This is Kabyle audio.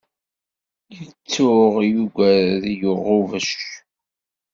Yettuɣ yugged i ɣubbec.